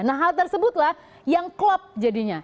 nah hal tersebut lah yang klop jadinya